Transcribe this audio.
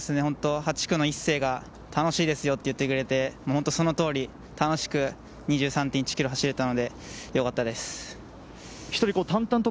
８区の一世が楽しいですよと言ってくれて、その通り楽しく２３．１ｋｍを走れたのでよかったです。